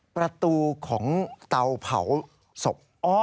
ประตูของเตาเผาศพ